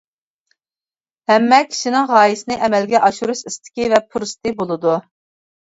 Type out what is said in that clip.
ھەممە كىشىنىڭ غايىسىنى ئەمەلگە ئاشۇرۇش ئىستىكى ۋە پۇرسىتى بولىدۇ.